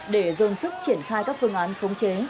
để dồn sức triển khai các phương án khống chế